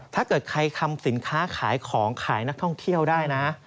ถ้าเกิดใครทำสินค้าขายของขายนักท่องเที่ยวได้นะ